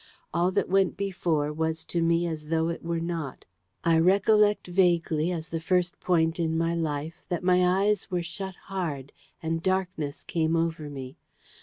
All that went before, was to me as though it were not. I recollect vaguely, as the first point in my life, that my eyes were shut hard, and darkness came over me.